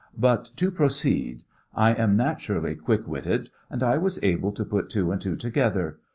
"But to proceed. I am naturally quick witted, and I was able to put two and two together.